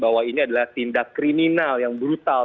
bahwa ini adalah tindak kriminal yang brutal